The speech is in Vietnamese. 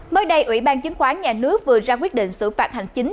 mới đây ủy ban chứng khoán nhà nước vừa ra quyết định xử phạt hành chính